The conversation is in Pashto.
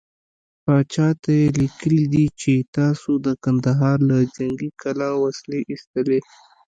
پاچا ته يې ليکلي دي چې تاسو د کندهار له جنګې کلا وسلې ايستلې.